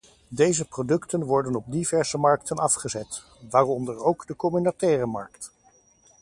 Deze producten worden op diverse markten afgezet, waaronder ook de communautaire markt.